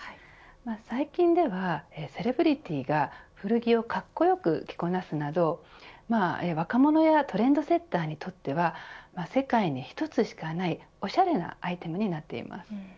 最近ではセレブリティーが古着をかっこよく着こなすなど若者やトレンドセッターにとっては世界に一つしかないおしゃれなアイテムになっています。